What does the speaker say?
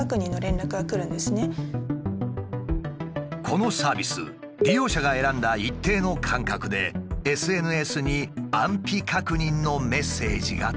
このサービス利用者が選んだ一定の間隔でＳＮＳに安否確認のメッセージが届く。